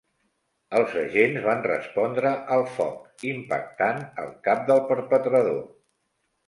Els agents van respondre al foc, impactant al cap del perpetrador.